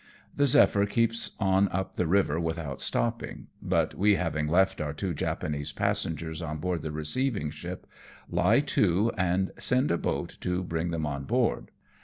The Zephyr keeps on up the river without stopping ; but we having left our two Japanese passengers on board the receiving ship, lie to and send a boat to SHANGHAI AGAIN AND BOB ALLEN. 243 bring them on board.